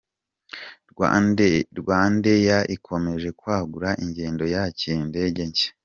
Rwandeya ikomeje kwagura ingendo yakira indege nshya